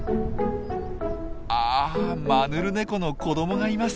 あマヌルネコの子どもがいます。